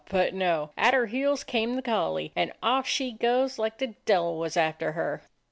But, no! at her heels came the collie, and off she goes like the de'il was after her."